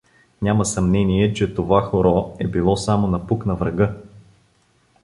Няма съмнение, че това хоро е било само напук на врага.